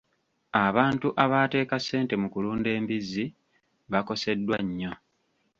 Abantu abaateeka ssente mu kulunda embizzi bakoseddwa nnyo.